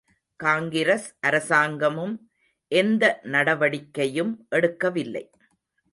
காங்கிரஸ் அரசாங்கமும் எந்த நடவடிக்கையும் எடுக்கவில்லை.